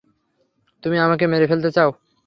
তুমি আমাকে মেরে ফেলতে চাও?